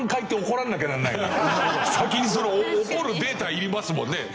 先に怒るデータがいりますもんね。